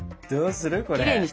どうするこれ？